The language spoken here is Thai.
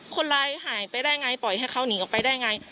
คนร้ายหายไปได้ไงปล่อยให้เขาหนีออกไปได้ไง